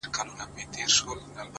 خدای به د وطن له مخه ژر ورک کړي دا شر _